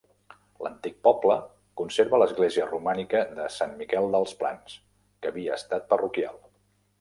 L'antic poble conserva l'església romànica de Sant Miquel dels Plans, que havia estat parroquial.